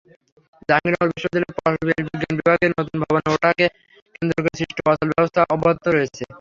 জাহাঙ্গীরনগর বিশ্ববিদ্যালয়ের পরিবেশবিজ্ঞান বিভাগের নতুন ভবনে ওঠাকে কেন্দ্র করে সৃষ্ট অচলাবস্থা অব্যাহত রয়েছে।